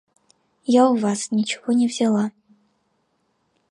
Я у вас ничего не взяла.